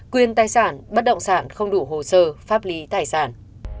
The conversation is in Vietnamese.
quyền tài sản bất động sản không đủ hồ sơ pháp lý tài sản